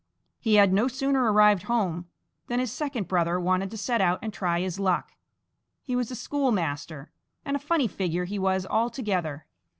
He had no sooner arrived home than his second brother wanted to set out and try his luck. He was a schoolmaster, and a funny figure he was altogether.